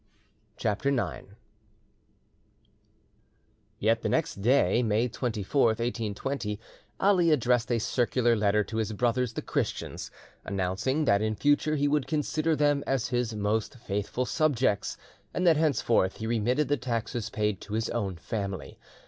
CHAPTER IX Yet next day, May 24th, 1820, Ali addressed a circular letter to his brothers the Christians, announcing that in future he would consider them as his most faithful subjects, and that henceforth he remitted the taxes paid to his own family.